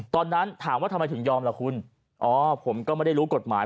ตอนนั้นถามว่าทำไมถึงยอมล่ะคุณอ๋อผมก็ไม่ได้รู้กฎหมาย